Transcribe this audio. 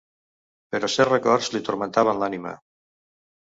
Però certs records li turmentaven l'ànima.